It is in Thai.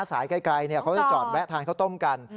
สายไกลเขาจะจอดแวะทานข้าวต้มกัน